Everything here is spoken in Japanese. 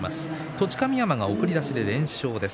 栃神山、送り出しで連勝です。